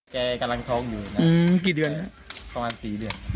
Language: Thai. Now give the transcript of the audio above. แกกำลังท้องอยู่นะกี่เดือนครับประมาณ๔เดือน